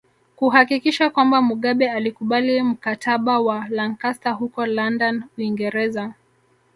Kuhakikisha kwamba Mugabe alikubali Mkataba wa Lancaster huko London Uingereza